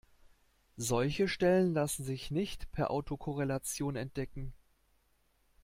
Solche Stellen lassen sich nicht per Autokorrelation entdecken.